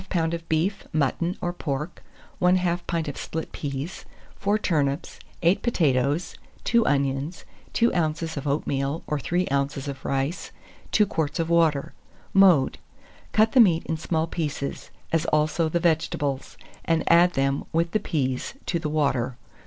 of beef, mutton, or pork; 1/2 pint of split peas, 4 turnips, 8 potatoes, 2 onions, 2 oz. of oatmeal or 3 oz. of rice, 2 quarts of water. Mode. Cut the meat in small pieces, as also the vegetables, and add them, with the peas, to the water.